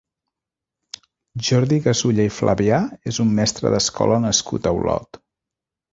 Jordi Gasulla i Flavià és un mestre d'escola nascut a Olot.